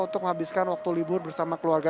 untuk menghabiskan waktu libur bersama keluarga